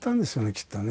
きっとね